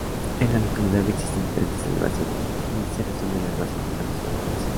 En la localidad existen diferentes celebraciones, aquí se resumen las más importantes y llamativas.